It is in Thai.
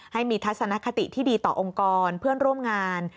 ให้มีทัศนคติที่ดีต่อองค์กรเพื่อนร่วมงาน